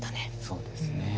そうですね。